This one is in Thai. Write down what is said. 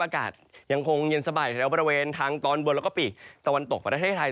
อากาศยังคงเย็นสบายแถวบริเวณทางตอนบนแล้วก็ปีกตะวันตกประเทศไทย